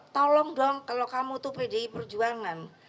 tolong dong kalau kamu itu pdi perjuangan